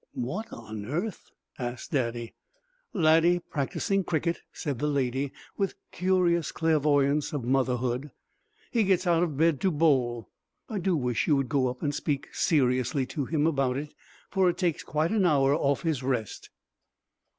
"What on earth ?" asked Daddy. "Laddie practising cricket," said the Lady, with the curious clairvoyance of motherhood. "He gets out of bed to bowl. I do wish you would go up and speak seriously to him about it, for it takes quite an hour off his rest."